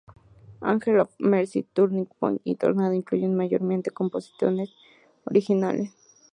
Angel of Mercy, Turning Point y Tornado incluyen mayoritariamente composiciones originales.